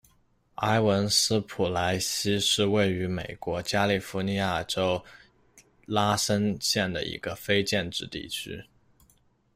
埃文斯普莱斯是位于美国加利福尼亚州拉森县的一个非建制地区。